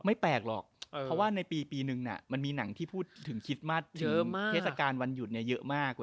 ไม่แปลกหรอกเพราะว่าในปีนึงมันมีหนังที่พูดถึงคิดมาสเยอะมากเทศกาลวันหยุดเนี่ยเยอะมาก